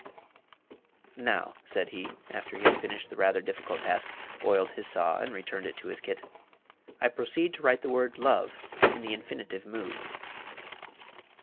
"Now," said he, after he had finished the rather difficult task, oiled his saw and returned it to his kit, "I proceed to write the word LOVE in the infinitive mood."